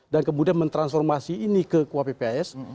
dan kemudian mentransformasi ini ke kuapps